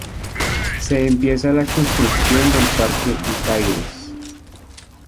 Se empieza la construcción del parque Ditaires.